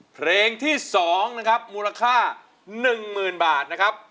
เพลงที่๒นะครับมูลค่า๑๐๐๐บาทนะครับ